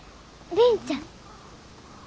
凛ちゃん。